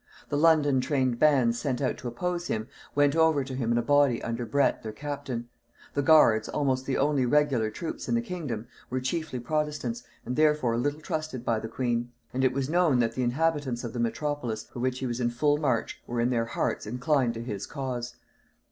The London trained bands sent out to oppose him, went over to him in a body under Bret, their captain; the guards, almost the only regular troops in the kingdom, were chiefly protestants, and therefore little trusted by the queen; and it was known that the inhabitants of the metropolis, for which he was in full march, were in their hearts inclined to his cause.